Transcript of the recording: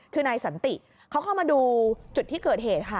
คือนายสันติเขาเข้ามาดูจุดที่เกิดเหตุค่ะ